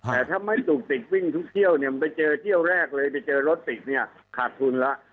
แต่ถ้าไม่ตุกติดวิ่งทุกเที่ยวเนี่ยไปเจอเที่ยวแรกเลยไปเจอรถติดเนี่ยขาดทุนแล้ว